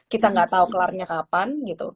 kita nggak tahu kelarnya kapan